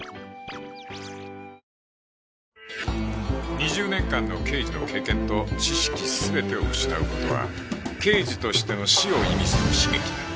２０年間の刑事の経験と知識全てを失う事は刑事としての死を意味する悲劇だ